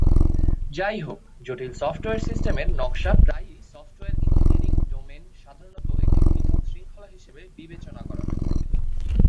যাইহোক, জটিল সফ্টওয়্যার সিস্টেমের নকশা প্রায়ই সফ্টওয়্যার ইঞ্জিনিয়ারিং ডোমেন, সাধারণত একটি পৃথক শৃঙ্খলা হিসাবে বিবেচনা করা হয়ে থাকে।